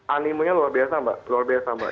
animonya luar biasa mbak luar biasa mbak